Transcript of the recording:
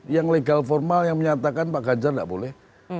yang legal formal yang menyatakan pak ganjar tidak boleh